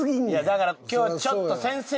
だから今日はちょっと。